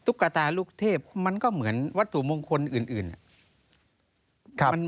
ตุ๊กตาลูกเทพมันก็เหมือนวัดสู่มงคลอื่น